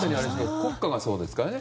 国歌がそうですからね。